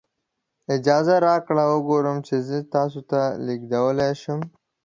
اجازه راکړئ وګورم چې زه تاسو ته لیږدولی شم.